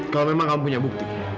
kalau memang kamu punya bukti